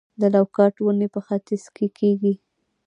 د لوکاټ ونې په ختیځ کې کیږي؟